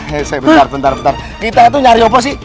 hei bentar bentar bentar kita tuh nyari apa sih